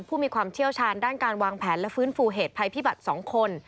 ผู้มีความเชี่ยวชาญด้านการวางแผนและฟื้นฟูเหตุภัยพิบัตร๒คน